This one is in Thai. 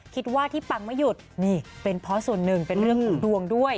คิดว่าที่ปังไม่หยุดนี่เป็นเพราะส่วนหนึ่งเป็นเรื่องของดวงด้วย